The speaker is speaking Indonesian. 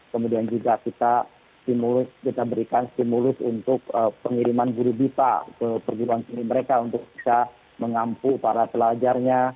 kemudian juga kita simulus kita berikan simulus untuk pengiriman guru bipa ke perjuruan tinggi mereka untuk kita mengampu para pelajarnya